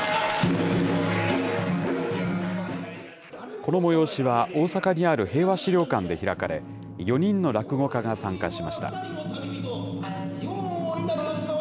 この催しは、大阪にある平和資料館で開かれ、４人の落語家が参加しました。